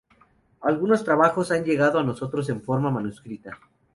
Algunos otros trabajos han llegado a nosotros en forma manuscrita.